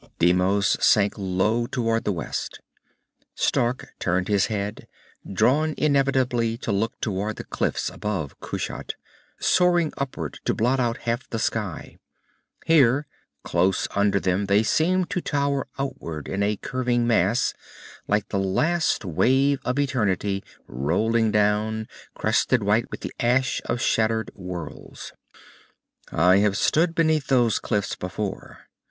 Deimos sank low toward the west. Stark turned his head, drawn inevitably to look toward the cliffs above Kushat, soaring upward to blot out half the sky. Here, close under them, they seemed to tower outward in a curving mass, like the last wave of eternity rolling down, crested white with the ash of shattered worlds. _I have stood beneath those cliffs before.